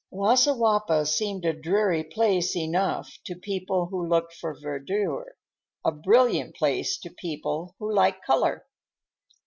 Wassiwappa seemed a dreary place enough to people who looked for verdure, a brilliant place to people who liked color.